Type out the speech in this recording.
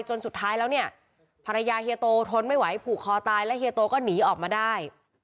จนสุดท้ายแล้วเนี่ยภรรยาเฮียโตทนไม่ไหวผูกคอตายแล้วเฮียโตก็หนีออกมาได้